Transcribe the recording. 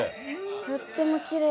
とってもきれい。